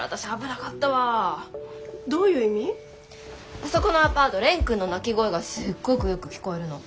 あそこのアパート蓮くんの泣き声がすっごくよく聞こえるの。